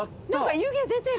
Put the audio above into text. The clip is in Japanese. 湯気出てる？